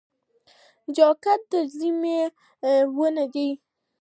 چاکلېټ له خوشبختۍ سره یوځای دی.